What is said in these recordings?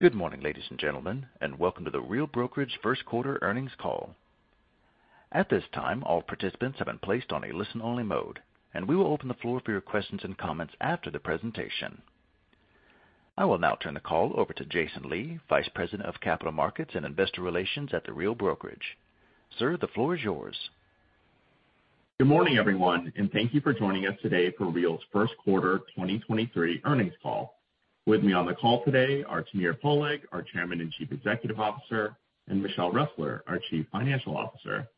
Good morning, ladies and gentlemen, welcome to The Real Brokerage first quarter earnings call. At this time, all participants have been placed on a listen-only mode, and we will open the floor for your questions and comments after the presentation. I will now turn the call over to Jason Lee, Vice President of Capital Markets and Investor Relations at The Real Brokerage. Sir, the floor is yours. Good morning, everyone, and thank you for joining us today for Real's Q1 2023 earnings call. With me on the call today are Tamir Poleg, our Chairman and Chief Executive Officer, and Michelle Ressler, our Chief Financial Officer.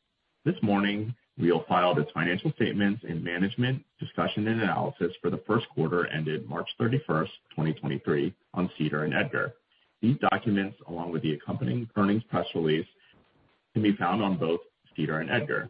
This morning, Real filed its financial statements and management discussion and analysis for the Q1 ended March 31st, 2023 on SEDAR and EDGAR. These documents, along with the accompanying earnings press release, can be found on both SEDAR and EDGAR.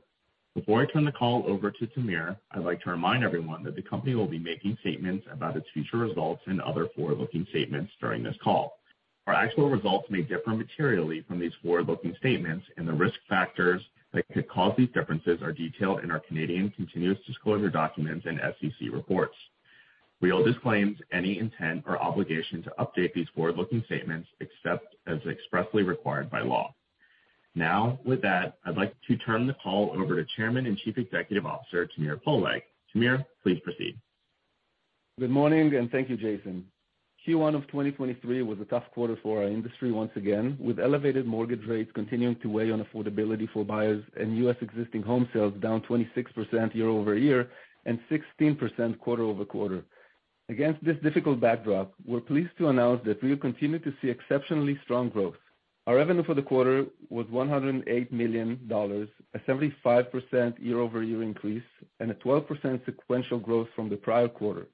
Before I turn the call over to Tamir, I'd like to remind everyone that the company will be making statements about its future results and other forward-looking statements during this call. Our actual results may differ materially from these forward-looking statements, and the risk factors that could cause these differences are detailed in our Canadian continuous disclosure documents and SEC reports. We all disclaims any intent or obligation to update these forward-looking statements, except as expressly required by law. With that, I'd like to turn the call over to Chairman and Chief Executive Officer, Tamir Poleg. Tamir, please proceed. Good morning, and thank you, Jason. Q1 of 2023 was a tough quarter for our industry once again, with elevated mortgage rates continuing to weigh on affordability for buyers and U.S. existing home sales down 26% year-over-year and 16% quarter-over-quarter. Against this difficult backdrop, we're pleased to announce that we continue to see exceptionally strong growth. Our revenue for the quarter was $108 million, a 75% year-over-year increase and a 12% sequential growth from the prior quarter.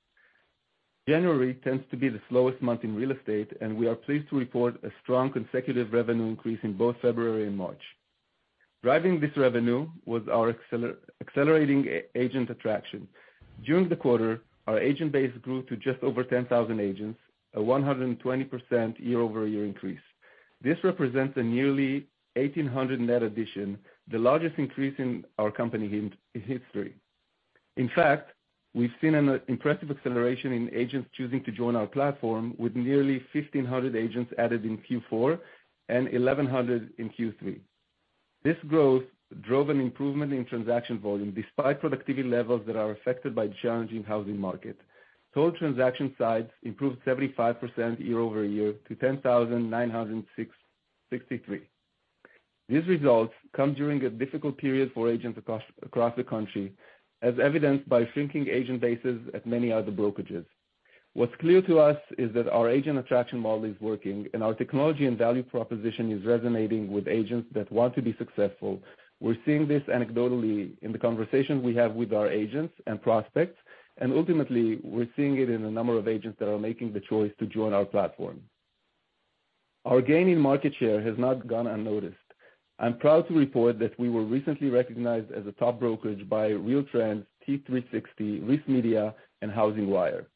January tends to be the slowest month in real estate, and we are pleased to report a strong consecutive revenue increase in both February and March. Driving this revenue was our accelerating agent attraction. During the quarter, our agent base grew to just over 10,000 agents, a 120% year-over-year increase. This represents a nearly 1,800 net addition, the largest increase in our company history. In fact, we've seen an impressive acceleration in agents choosing to join our platform with nearly 1,500 agents added in Q4 and 1,100 in Q3. This growth drove an improvement in transaction volume despite productivity levels that are affected by challenging housing market. Total transaction sites improved 75% year-over-year to 10,963. These results come during a difficult period for agents across the country, as evidenced by shrinking agent bases at many other brokerages. What's clear to us is that our agent attraction model is working, and our technology and value proposition is resonating with agents that want to be successful. We're seeing this anecdotally in the conversations we have with our agents and prospects. Ultimately, we're seeing it in a number of agents that are making the choice to join our platform. Our gain in market share has not gone unnoticed. I'm proud to report that we were recently recognized as a top brokerage by RealTrends, T3 Sixty, RISMedia, and HousingWire.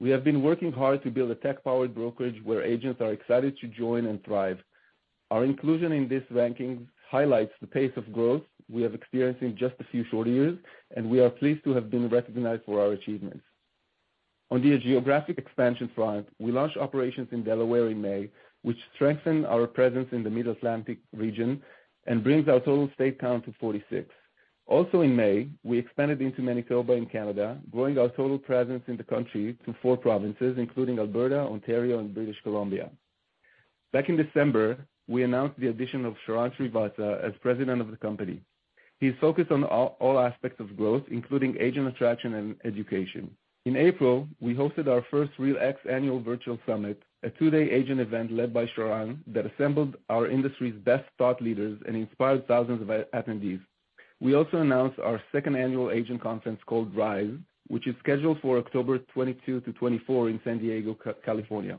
We have been working hard to build a tech-powered brokerage where agents are excited to join and thrive. Our inclusion in this ranking highlights the pace of growth we have experienced in just a few short years. We are pleased to have been recognized for our achievements. On the geographic expansion front, we launched operations in Delaware in May, which strengthened our presence in the Mid-Atlantic region and brings our total state count to 46. In May, we expanded into Manitoba in Canada, growing our total presence in the country to four provinces, including Alberta, Ontario, and British Columbia. Back in December, we announced the addition of Sharran Srivatsaa as President of the company. He's focused on all aspects of growth, including agent attraction and education. In April, we hosted our first REALx annual virtual summit, a two day agent event led by Sharran that assembled our industry's best thought leaders and inspired thousands of attendees. We also announced our second annual agent conference called RISE, which is scheduled for October 22 to 24 in San Diego, California.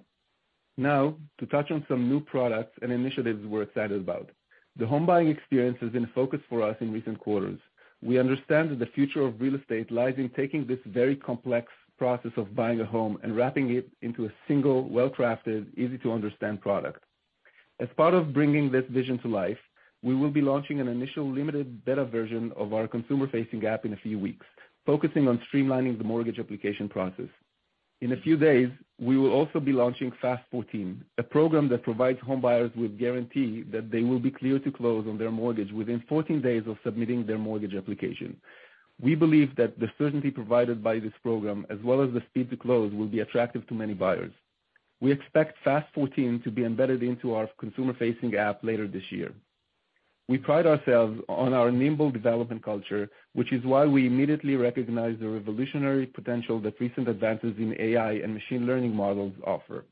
To touch on some new products and initiatives we're excited about. The home buying experience has been a focus for us in recent quarters. We understand that the future of real estate lies in taking this very complex process of buying a home and wrapping it into a single, well-crafted, easy-to-understand product. As part of bringing this vision to life, we will be launching an initial limited beta version of our consumer-facing app in a few weeks, focusing on streamlining the mortgage application process. In a few days, we will also be launching Fast Fourteen, a program that provides home buyers with guarantee that they will be clear to close on their mortgage within 14 days of submitting their mortgage application. We believe that the certainty provided by this program, as well as the speed to close, will be attractive to many buyers. We expect Fast Fourteen to be embedded into our consumer-facing app later this year. We pride ourselves on our nimble development culture, which is why we immediately recognize the revolutionary potential that recent advances in AI and machine learning models offer.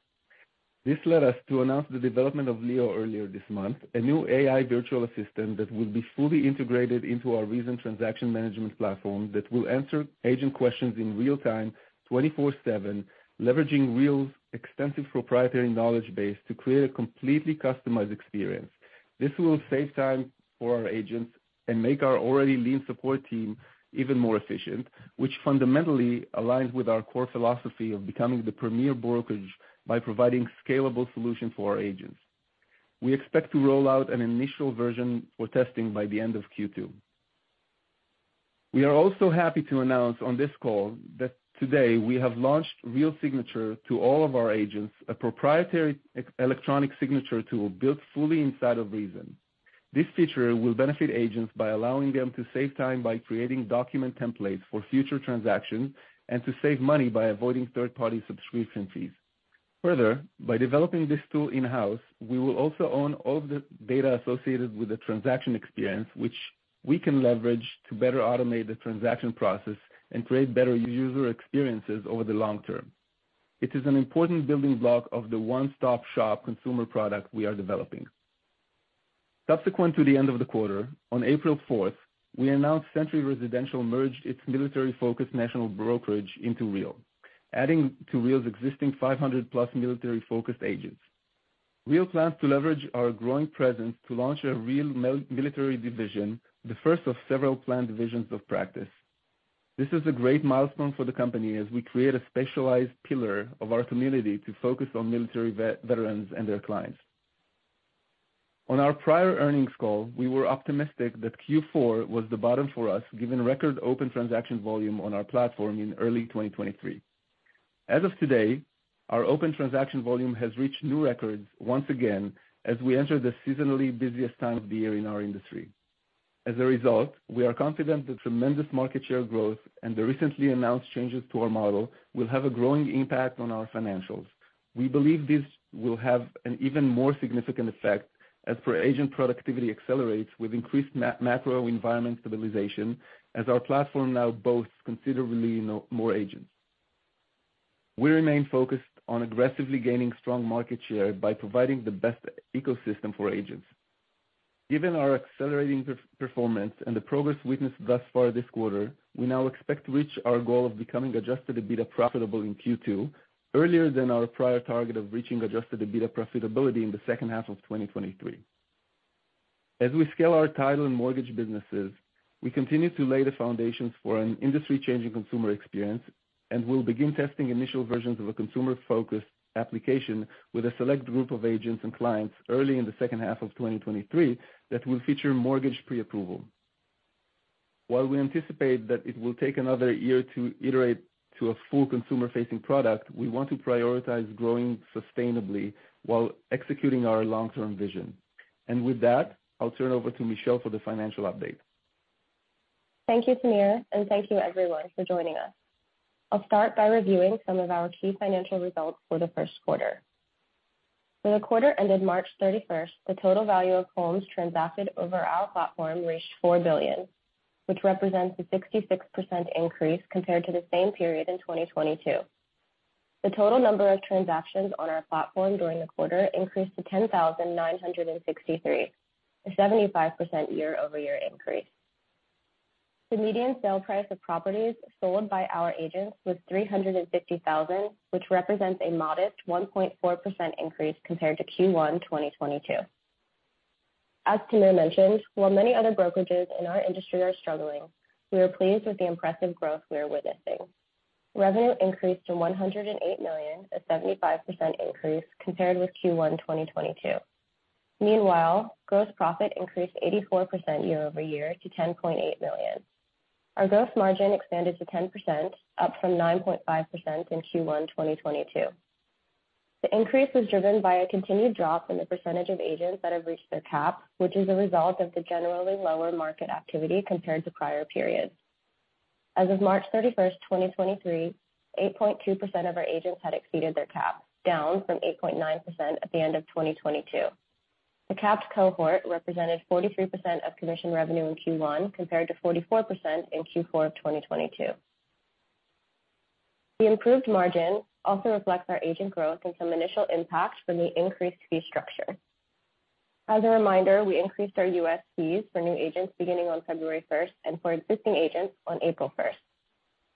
This led us to announce the development of Leo earlier this month, a new AI virtual assistant that will be fully integrated into our recent transaction management platform that will answer agent questions in real time, 24/7, leveraging Real's extensive proprietary knowledge base to create a completely customized experience. This will save time for our agents and make our already lean support team even more efficient, which fundamentally aligns with our core philosophy of becoming the premier brokerage by providing scalable solution for our agents. We expect to roll out an initial version for testing by the end of Q2. We are also happy to announce on this call that today we have launched Real Signature to all of our agents, a proprietary electronic signature tool built fully inside of reZEN. This feature will benefit agents by allowing them to save time by creating document templates for future transactions and to save money by avoiding third-party subscription fees. Further, by developing this tool in-house, we will also own all of the data associated with the transaction experience, which we can leverage to better automate the transaction process and create better user experiences over the long term. It is an important building block of the one-stop-shop consumer product we are developing. Subsequent to the end of the quarter, on April 4th, we announced Sentry Residential merged its military-focused national brokerage into Real, adding to Real's existing 500 plus military-focused agents. Real plans to leverage our growing presence to launch a Real military division, the first of several planned divisions of practice. This is a great milestone for the company as we create a specialized pillar of our community to focus on military veterans and their clients. On our prior earnings call, we were optimistic that Q4 was the bottom for us, given record open transaction volume on our platform in early 2023. As of today, our open transaction volume has reached new records once again as we enter the seasonally busiest time of the year in our industry. As a result, we are confident the tremendous market share growth and the recently announced changes to our model will have a growing impact on our financials. We believe this will have an even more significant effect as per agent productivity accelerates with increased macro environment stabilization as our platform now boasts considerably more agents. We remain focused on aggressively gaining strong market share by providing the best ecosystem for agents. Given our accelerating performance and the progress witnessed thus far this quarter, we now expect to reach our goal of becoming Adjusted EBITDA profitable in Q2 earlier than our prior target of reaching Adjusted EBITDA profitability in the second half of 2023. As we scale our title and mortgage businesses, we continue to lay the foundations for an industry-changing consumer experience and will begin testing initial versions of a consumer-focused application with a select group of agents and clients early in the second half of 2023 that will feature mortgage preapproval. While we anticipate that it will take another year to iterate to a full consumer-facing product, we want to prioritize growing sustainably while executing our long-term vision. With that, I'll turn over to Michelle for the financial update. Thank you, Tamir, and thank you everyone for joining us. I'll start by reviewing some of our key financial results for the Q1. For the quarter ended March 31st, the total value of homes transacted over our platform reached $4 billion, which represents a 66% increase compared to the same period in 2022. The total number of transactions on our platform during the quarter increased to 10,963, a 75% year-over-year increase. The median sale price of properties sold by our agents was $350,000, which represents a modest 1.4% increase compared to Q1 2022. As Tamir mentioned, while many other brokerages in our industry are struggling, we are pleased with the impressive growth we are witnessing. Revenue increased to $108 million, a 75% increase compared with Q1 2022. Meanwhile, gross profit increased 84% year-over-year to $10.8 million. Our gross margin expanded to 10%, up from 9.5% in Q1 2022. The increase was driven by a continued drop in the percentage of agents that have reached their cap, which is a result of the generally lower market activity compared to prior periods. As of March 31, 2023, 8.2% of our agents had exceeded their cap, down from 8.9% at the end of 2022. The capped cohort represented 43% of commission revenue in Q1 compared to 44% in Q4 of 2022. The improved margin also reflects our agent growth and some initial impact from the increased fee structure. As a reminder, we increased our U.S. fees for new agents beginning on February first and for existing agents on April first.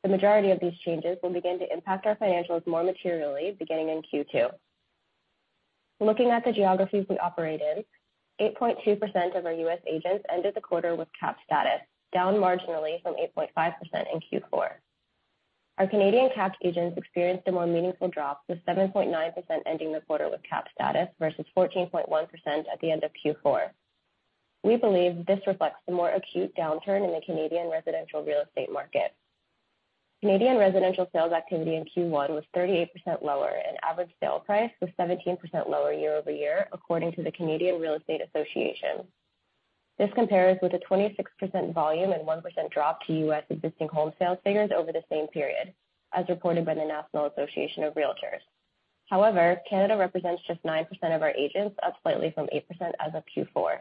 The majority of these changes will begin to impact our financials more materially beginning in Q2. Looking at the geographies we operate in, 8.2% of our U.S. agents ended the quarter with capped status, down marginally from 8.5% in Q4. Our Canadian capped agents experienced a more meaningful drop, with 7.9% ending the quarter with capped status versus 14.1% at the end of Q4. We believe this reflects the more acute downturn in the Canadian residential real estate market. Canadian residential sales activity in Q1 was 38% lower, and average sale price was 17% lower year-over-year, according to the Canadian Real Estate Association. This compares with a 26% volume and 1% drop to U.S. existing home sales figures over the same period, as reported by the National Association of REALTORS. Canada represents just 9% of our agents, up slightly from 8% as of Q4.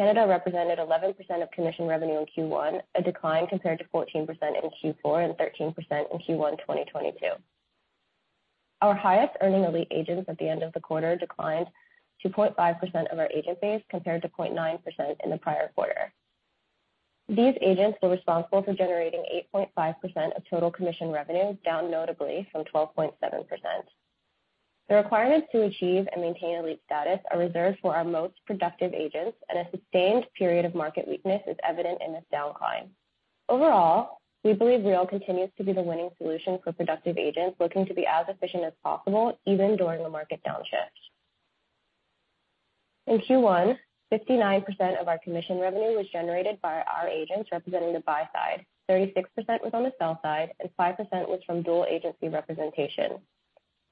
Canada represented 11% of commission revenue in Q1, a decline compared to 14% in Q4 and 13% in Q1 2022. Our highest-earning Elite Agents at the end of the quarter declined to 0.5% of our agent base compared to 0.9% in the prior quarter. These agents were responsible for generating 8.5% of total commission revenue, down notably from 12.7%. The requirements to achieve and maintain Elite status are reserved for our most productive agents, and a sustained period of market weakness is evident in this decline. Overall, we believe Real continues to be the winning solution for productive agents looking to be as efficient as possible, even during the market downshift. In Q1, 59% of our commission revenue was generated by our agents representing the buy side, 36% was on the sell side, 5% was from dual agency representation.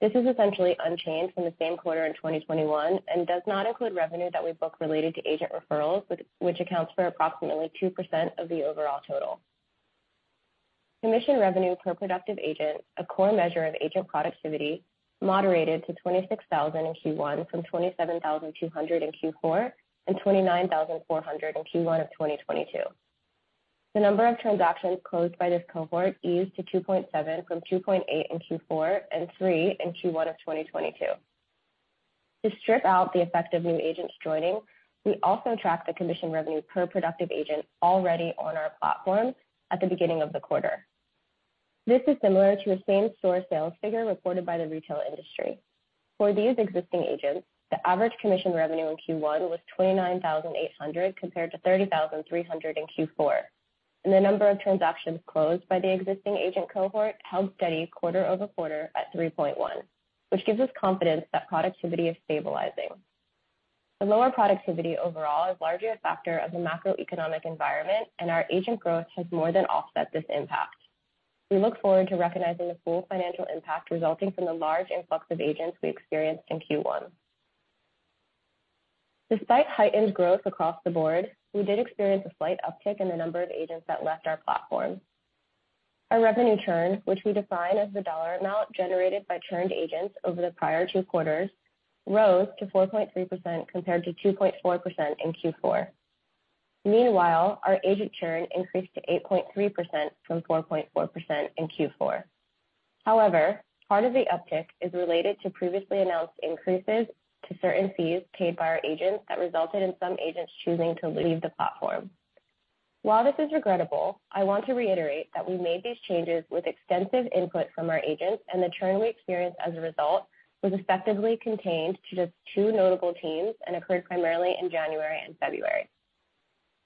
This is essentially unchanged from the same quarter in 2021 and does not include revenue that we book related to agent referrals, which accounts for approximately 2% of the overall total. Commission revenue per productive agent, a core measure of agent productivity, moderated to 26,000 in Q1 from 27,200 in Q4, 29,400 in Q1 of 2022. The number of transactions closed by this cohort eased to 2.7 from 2.8 in Q4, three in Q1 of 2022. To strip out the effect of new agents joining, we also tracked the commission revenue per productive agent already on our platform at the beginning of the quarter. This is similar to a same-store sales figure reported by the retail industry. For these existing agents, the average commission revenue in Q1 was $29,800 compared to $30,300 in Q4, and the number of transactions closed by the existing agent cohort held steady quarter-over-quarter at 3.1, which gives us confidence that productivity is stabilizing. The lower productivity overall is largely a factor of the macroeconomic environment, and our agent growth has more than offset this impact. We look forward to recognizing the full financial impact resulting from the large influx of agents we experienced in Q1. Despite heightened growth across the board, we did experience a slight uptick in the number of agents that left our platform. Our revenue churn, which we define as the dollar amount generated by churned agents over the prior two quarters, rose to 4.3% compared to 2.4% in Q4. Meanwhile, our agent churn increased to 8.3% from 4.4% in Q4. Part of the uptick is related to previously announced increases to certain fees paid by our agents that resulted in some agents choosing to leave the platform. While this is regrettable, I want to reiterate that we made these changes with extensive input from our agents, and the churn we experienced as a result was effectively contained to just two notable teams and occurred primarily in January and February.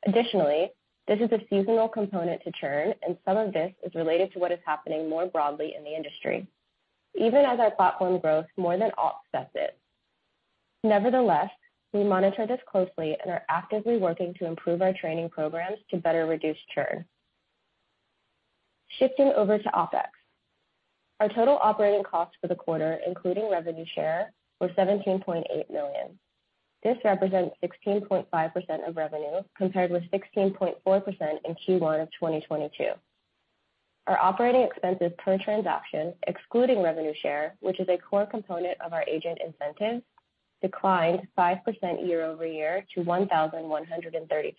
Additionally, this is a seasonal component to churn, and some of this is related to what is happening more broadly in the industry, even as our platform growth more than offsets it. Nevertheless, we monitor this closely and are actively working to improve our training programs to better reduce churn. Shifting over to OpEx. Our total operating costs for the quarter, including revenue share, were $17.8 million. This represents 16.5% of revenue compared with 16.4% in Q1 of 2022. Our operating expenses per transaction, excluding revenue share, which is a core component of our agent incentive, declined 5% year-over-year to $1,132.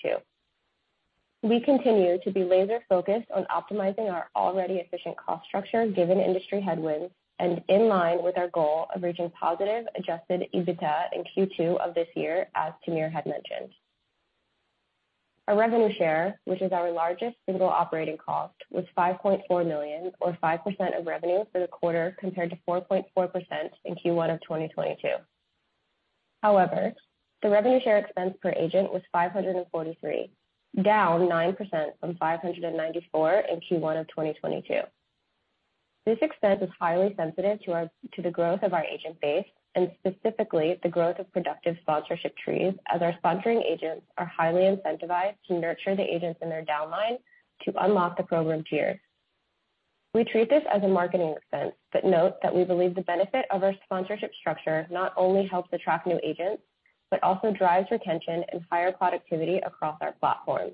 We continue to be laser-focused on optimizing our already efficient cost structure given industry headwinds and in line with our goal of reaching positive Adjusted EBITDA in Q2 of this year, as Tamir had mentioned. Our revenue share, which is our largest single operating cost, was $5.4 million or 5% of revenue for the quarter, compared to 4.4% in Q1 of 2022. However, the revenue share expense per agent was $543, down 9% from $594 in Q1 of 2022. This expense is highly sensitive to the growth of our agent base and specifically the growth of productive sponsorship trees, as our sponsoring agents are highly incentivized to nurture the agents in their downline to unlock the program tier. We treat this as a marketing expense, note that we believe the benefit of our sponsorship structure not only helps attract new agents, but also drives retention and higher productivity across our platform.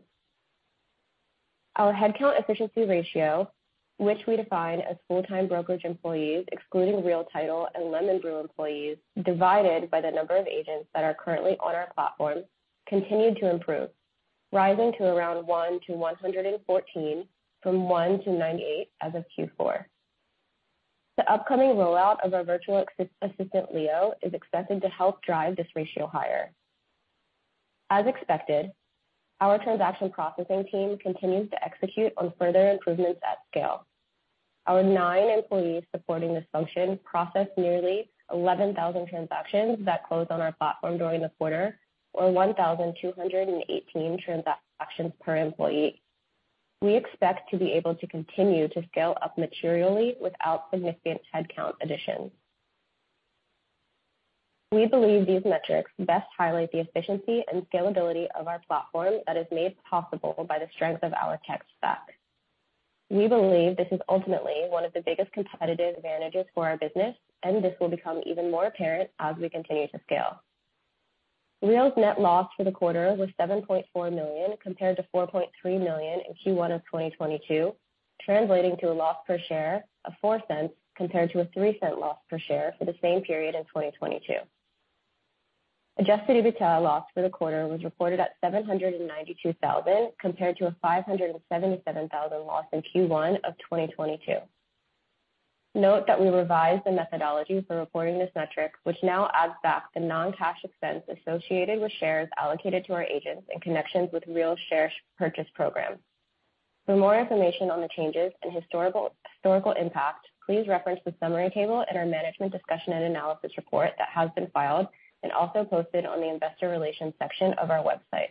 Our headcount efficiency ratio, which we define as full-time brokerage employees, excluding Real Title and LemonBrew employees, divided by the number of agents that are currently on our platform, continued to improve, rising to around 1 to 114 from one to 98 as of Q4. The upcoming rollout of our virtual assistant, Leo, is expected to help drive this ratio higher. As expected, our transaction processing team continues to execute on further improvements at scale. Our nine employees supporting this function processed nearly 11,000 transactions that closed on our platform during the quarter, or 1,218 transactions per employee. We expect to be able to continue to scale up materially without significant headcount additions. We believe these metrics best highlight the efficiency and scalability of our platform that is made possible by the strength of our tech stack. We believe this is ultimately one of the biggest competitive advantages for our business. This will become even more apparent as we continue to scale. Real's net loss for the quarter was $7.4 million, compared to $4.3 million in Q1 of 2022, translating to a loss per share of $0.04, compared to a $0.03 loss per share for the same period in 2022. Adjusted EBITDA loss for the quarter was reported at $792,000, compared to a $577,000 loss in Q1 of 2022. Note that we revised the methodology for reporting this metric, which now adds back the non-cash expense associated with shares allocated to our agents in connections with Real's share purchase program. For more information on the changes and historical impact, please reference the summary table in our management discussion and analysis report that has been filed and also posted on the investor relations section of our website.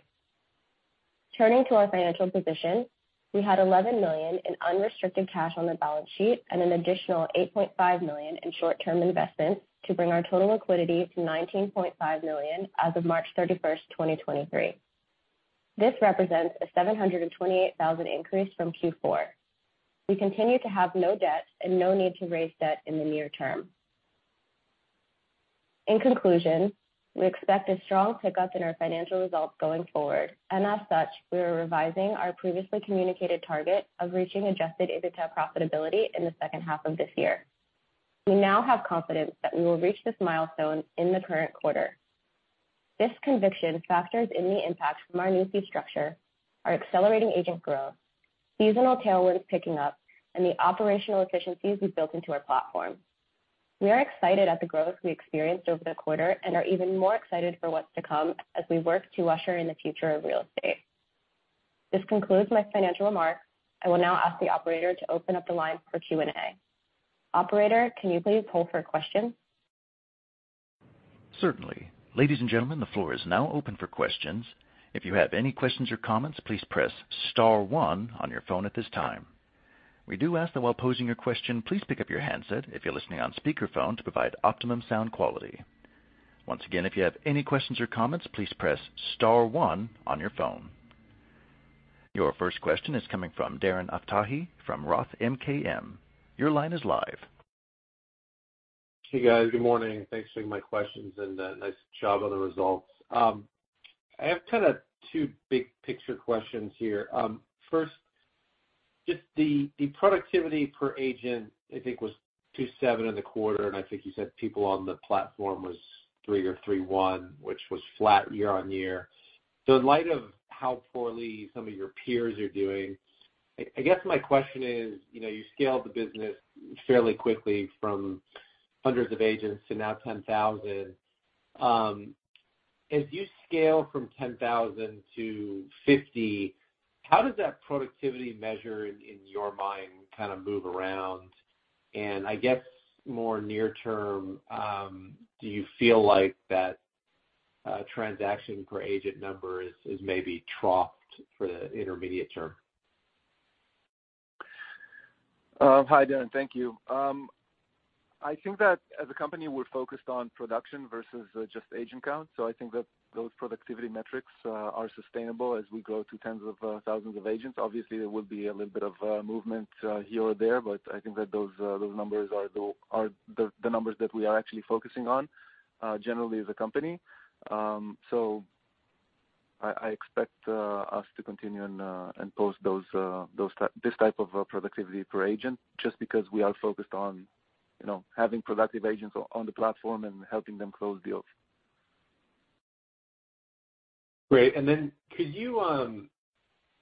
Turning to our financial position, we had $11 million in unrestricted cash on the balance sheet and an additional $8.5 million in short-term investments to bring our total liquidity to $19.5 million as of March 31, 2023. This represents a $728,000 increase from Q4. We continue to have no debt and no need to raise debt in the near term. In conclusion, we expect a strong pickup in our financial results going forward, and as such, we are revising our previously communicated target of reaching Adjusted EBITDA profitability in the second half of this year. We now have confidence that we will reach this milestone in the current quarter. This conviction factors in the impact from our new fee structure, our accelerating agent growth, seasonal tailwinds picking up, and the operational efficiencies we built into our platform. We are excited at the growth we experienced over the quarter and are even more excited for what's to come as we work to usher in the future of real estate. This concludes my financial remarks. I will now ask the operator to open up the line for Q&A. Operator, can you please poll for questions? Certainly. Ladies and gentlemen, the floor is now open for questions. If you have any questions or comments, please press star one on your phone at this time. We do ask that while posing your question, please pick up your handset if you're listening on speakerphone to provide optimum sound quality. Once again, if you have any questions or comments, please press star one on your phone. Your first question is coming from Darren Aftahi from Roth MKM. Your line is live. Hey, guys. Good morning. Thanks for taking my questions. Nice job on the results. I have kinda two big picture questions here. First, just the productivity per agent, I think, was 2.7 in the quarter, and I think you said people on the platform was 3.0 or 3.1, which was flat year-over-year. In light of how poorly some of your peers are doing, I guess my question is, you know, you scaled the business fairly quickly from hundreds of agents to now 10,000. As you scale from 10,000 to 50,000, how does that productivity measure in your mind kinda move around? I guess more near term, do you feel like that transaction per agent number is maybe troughed for the intermediate term? Hi, Darren. Thank you. I think that as a company, we're focused on production versus just agent count, so I think that those productivity metrics are sustainable as we grow to tens of thousands of agents. Obviously, there will be a little bit of movement here or there, but I think that those numbers are the numbers that we are actually focusing on generally as a company. I expect us to continue and post this type of productivity per agent just because we are focused on, you know, having productive agents on the platform and helping them close deals. Great. Then could you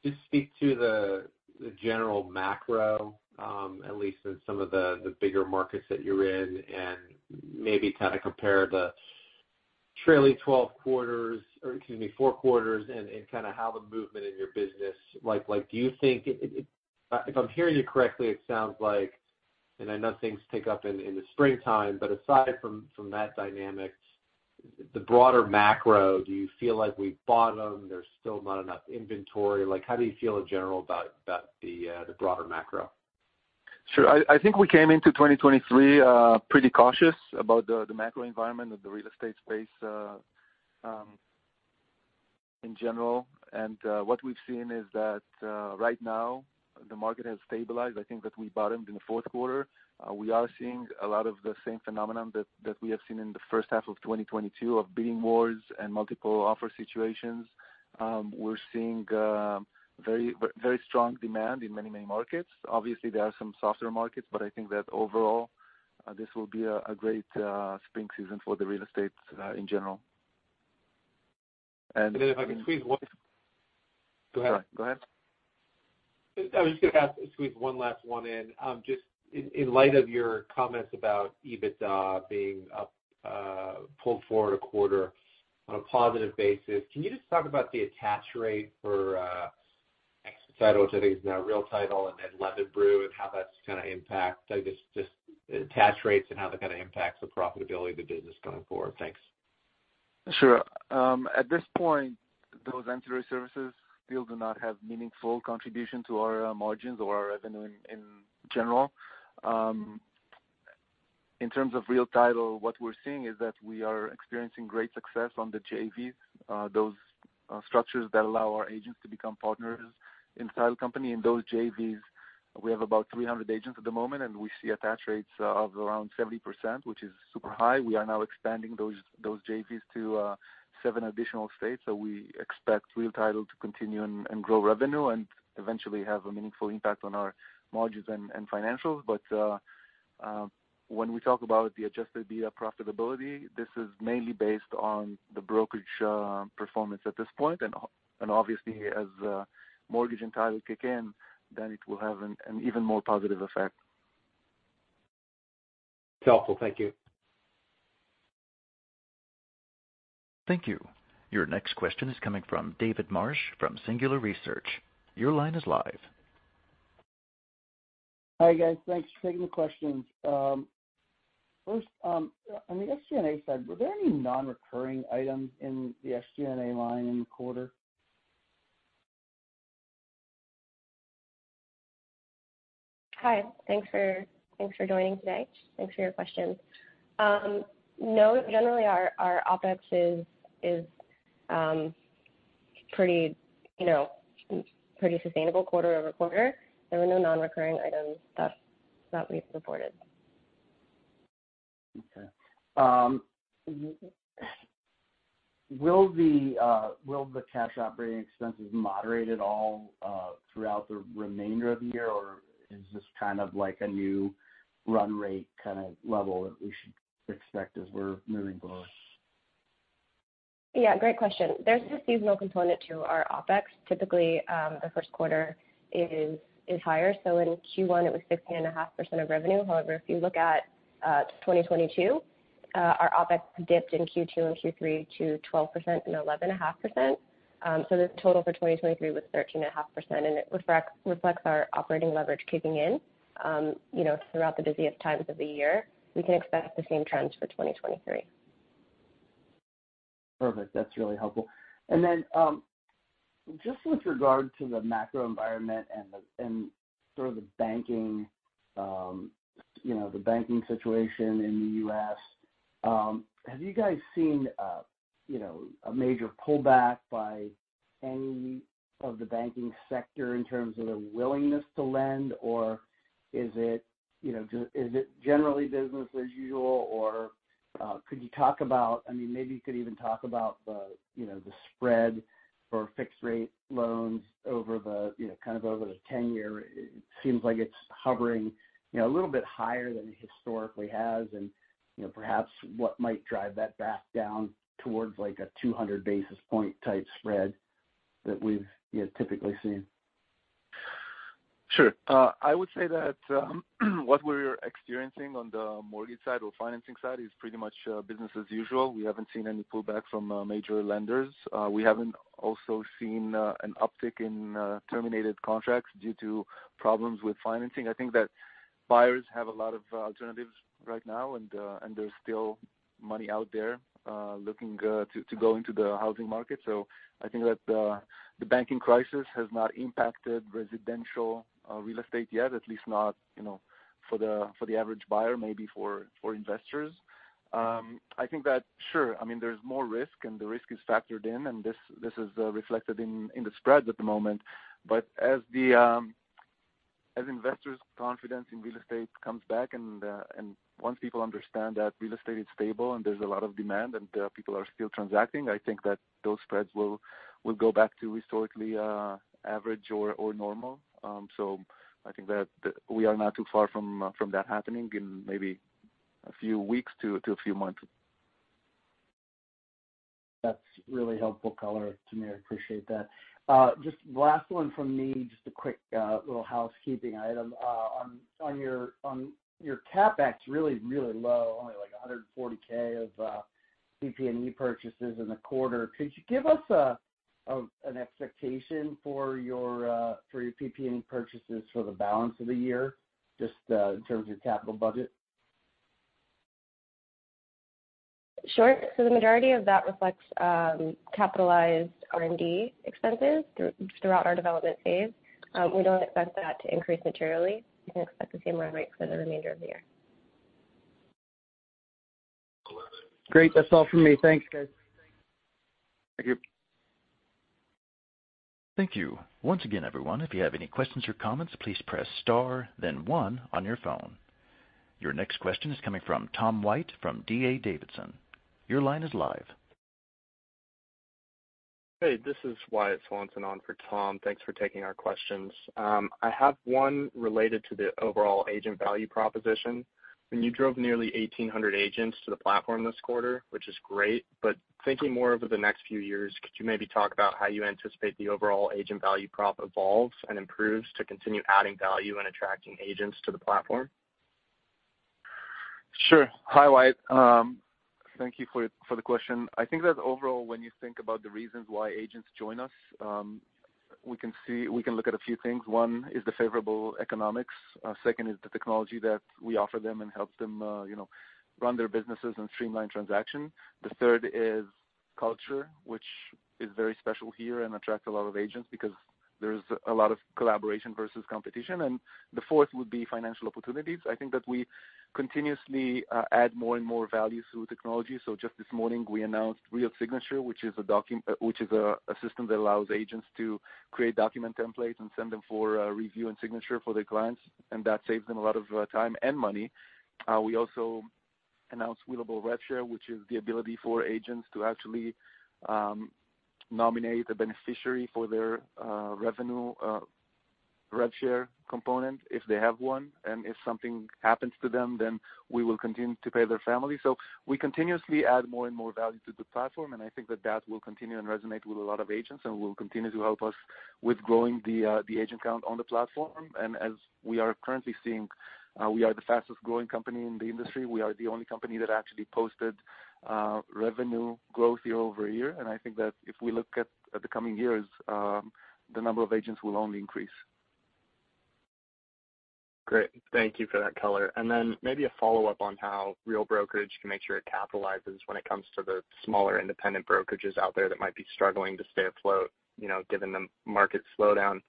just speak to the general macro, at least in some of the bigger markets that you're in and maybe kinda compare the trailing 12 quarters or, excuse me, four quarters and kinda how the movement in your business? Like, do you think? If I'm hearing you correctly, it sounds like, and I know things pick up in the springtime, but aside from that dynamic, the broader macro, do you feel like we've bottomed, there's still not enough inventory? Like, how do you feel in general about the broader macro? Sure. I think we came into 2023 pretty cautious about the macro environment of the real estate space in general. What we've seen is that right now the market has stabilized. I think that we bottomed in the Q4. We are seeing a lot of the same phenomenon that we have seen in the first half of 2022 of bidding wars and multiple offer situations. We're seeing very, very strong demand in many, many markets. Obviously, there are some softer markets, but I think that overall, this will be a great spring season for the real estate in general. Go ahead. Go ahead. I was just gonna ask, squeeze one last one in. Just in light of your comments about EBITDA being up, pulled forward a quarter on a positive basis, can you just talk about the attach rate for Expetitle, which I think is now Real Title, and then LemonBrew and how that's gonna impact, I guess just attach rates and how that kinda impacts the profitability of the business going forward? Thanks. Sure. At this point, those entry services still do not have meaningful contribution to our margins or our revenue in general. In terms of Real Title, what we're seeing is that we are experiencing great success on the JVs, those structures that allow our agents to become partners in title company. In those JVs, we have about 300 agents at the moment, and we see attach rates of around 70%, which is super high. We are now expanding those JVs to seven additional states, so we expect Real Title to continue and grow revenue and eventually have a meaningful impact on our margins and financials. When we talk about the Adjusted EBITDA profitability, this is mainly based on the brokerage performance at this point. Obviously as mortgage and title kick in, then it will have an even more positive effect. Helpful. Thank you. Thank you. Your next question is coming from David Marsh from Singular Research. Your line is live. Hi, guys. Thanks for taking the questions. First, on the SG&A side, were there any non-recurring items in the SG&A line in the quarter? Hi. Thanks for joining today. Thanks for your question. No, generally our OpEx is, you know, pretty sustainable quarter-over-quarter. There were no non-recurring items that we've reported. Will the cash Operating Expenses moderate at all throughout the remainder of the year, or is this kind of like a new run rate kinda level that we should expect as we're moving forward? Yeah, great question. There's a seasonal component to our OpEx. Typically, the Q1 is higher, so in Q1 it was 16.5% of revenue. However, if you look at 2022, our OpEx dipped in Q2 and Q3 to 12% and 11.5%. The total for 2023 was 13.5%, and it reflects our operating leverage kicking in, you know, throughout the busiest times of the year. We can expect the same trends for 2023. ally helpful. Just with regard to the macro environment and sort of the banking, you know, the banking situation in the U.S., have you guys seen, you know, a major pullback by any of the banking sector in terms of their willingness to lend, or is it, you know, generally business as usual or, could you talk about? I mean, maybe you could even talk about the, you know, the spread for fixed rate loans over the, you know, kind of over the 10 year. It seems like it's hovering, you know, a little bit higher than it historically has, and, you know, perhaps what might drive that back down towards like a 200 basis point type spread that we've, you know, typically seen. Sure. I would say that, what we're experiencing on the mortgage side or financing side is pretty much business as usual. We haven't seen any pullback from major lenders. We haven't also seen an uptick in terminated contracts due to problems with financing. I think that buyers have a lot of alternatives right now and there's still money out there looking to go into the housing market. I think that the banking crisis has not impacted residential real estate yet, at least not, you know, for the average buyer, maybe for investors. I think that sure, I mean, there's more risk and the risk is factored in and this is reflected in the spreads at the moment. As the, as investors' confidence in real estate comes back and once people understand that real estate is stable and there's a lot of demand and, people are still transacting, I think that those spreads will go back to historically, average or normal. I think that we are not too far from that happening in maybe a few weeks to a few months. That's really helpful color to me. I appreciate that. Just last one from me, just a quick little housekeeping item. On your CapEx, really low, only like $140,000 of PP&E purchases in the quarter. Could you give us an expectation for your PP&E purchases for the balance of the year, just in terms of capital budget? Sure. The majority of that reflects capitalized R&D expenses throughout our development phase. We don't expect that to increase materially. We expect the same run rate for the remainder of the year. Great. That's all for me. Thanks, guys. Thank you. Thank you. Once again, everyone, if you have any questions or comments, please press star then one on your phone. Your next question is coming from Tom White, from D.A. Davidson. Your line is live. Hey, this is Wyatt Swanson on for Tom. Thanks for taking our questions. I have one related to the overall agent value proposition. When you drove nearly 1,800 agents to the platform this quarter, which is great, but thinking more over the next few years, could you maybe talk about how you anticipate the overall agent value prop evolves and improves to continue adding value and attracting agents to the platform? Sure. Hi, Wyatt. Thank you for the question. I think that overall, when you think about the reasons why agents join us, we can look at a few things. One is the favorable economics. Second is the technology that we offer them and help them, you know, run their businesses and streamline transaction. The third is culture, which is very special here and attracts a lot of agents because there's a lot of collaboration versus competition. The fourth would be financial opportunities. I think that we continuously add more and more value through technology. Just this morning, we announced Real Signature, which is a system that allows agents to create document templates and send them for review and signature for their clients, and that saves them a lot of time and money. We also announced Willable RevShare, which is the ability for agents to actually nominate a beneficiary for their revenue revshare component if they have one. If something happens to them, we will continue to pay their family. We continuously add more and more value to the platform, and I think that that will continue and resonate with a lot of agents and will continue to help us with growing the agent count on the platform. As we are currently seeing, we are the fastest growing company in the industry. We are the only company that actually posted revenue growth year-over-year. I think that if we look at the coming years, the number of agents will only increase. Great. Thank you for that color. Maybe a follow-up on how Real Brokerage can make sure it capitalizes when it comes to the smaller independent brokerages out there that might be struggling to stay afloat, you know, given the market slowdown.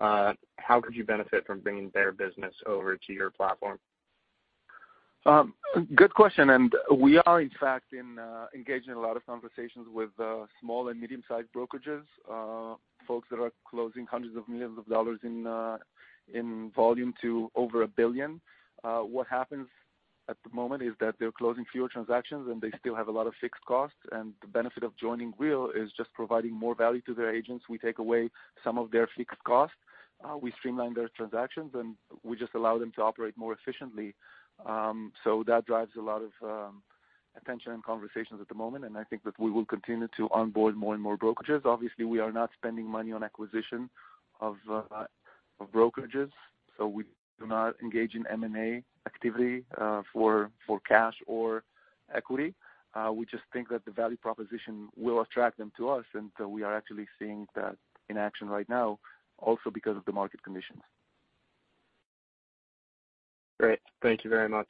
How could you benefit from bringing their business over to your platform? Good question. We are in fact engaged in a lot of conversations with small and medium-sized brokerages, folks that are closing hundreds of millions of dollars in volume to over $1 billion. What happens at the moment is that they're closing fewer transactions, and they still have a lot of fixed costs, and the benefit of joining Real is just providing more value to their agents. We take away some of their fixed costs, we streamline their transactions, and we just allow them to operate more efficiently. That drives a lot of attention and conversations at the moment, and I think that we will continue to onboard more and more brokerages. Obviously, we are not spending money on acquisition of brokerages, so we do not engage in M&A activity for cash or equity. We just think that the value proposition will attract them to us, and we are actually seeing that in action right now also because of the market conditions. Great. Thank you very much.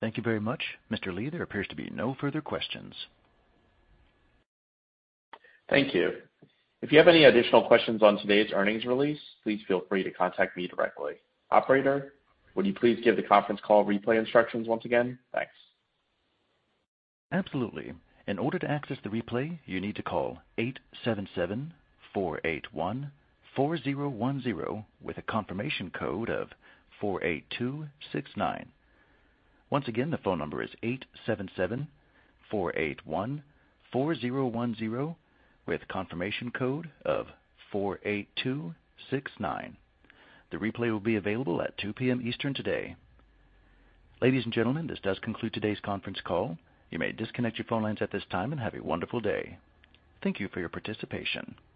Thank you very much. Mr. Lee, there appears to be no further questions. Thank you. If you have any additional questions on today's earnings release, please feel free to contact me directly. Operator, would you please give the conference call replay instructions once again? Thanks. Absolutely. In order to access the replay, you need to call 877-481-4010 with a confirmation code of 48269. Once again, the phone number is 877-481-4010 with confirmation code of 48269. The replay will be available at 2:00 P.M. Eastern today. Ladies and gentlemen, this does conclude today's conference call. You may disconnect your phone lines at this time and have a wonderful day. Thank you for your participation.